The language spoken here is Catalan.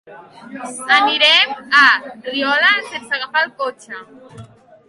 Anirem a Riola sense agafar el cotxe.